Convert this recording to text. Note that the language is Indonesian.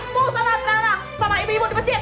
tidak usah ceramah sama ibu ibu di masjid